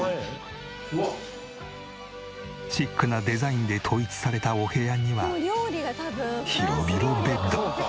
シックなデザインで統一されたお部屋には広々ベッド。